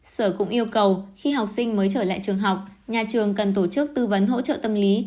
sở cũng yêu cầu khi học sinh mới trở lại trường học nhà trường cần tổ chức tư vấn hỗ trợ tâm lý